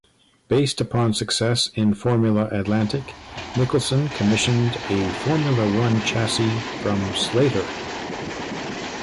Based upon success in Formula Atlantic, Nicholson commissioned a Formula One chassis from Slater.